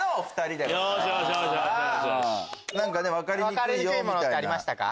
分かりにくいものってありましたか？